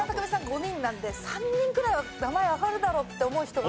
５人なんで３人ぐらいは名前あがるだろうって思う人が。